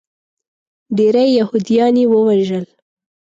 ډیری یهودیان یې ووژل.